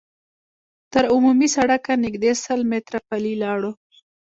تر عمومي سړکه نږدې سل متره پلي لاړو.